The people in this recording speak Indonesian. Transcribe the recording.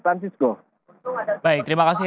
francisco baik terima kasih